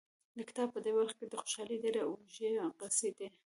د کتاب په دې برخه کې د خوشحال ډېرې اوږې قصیدې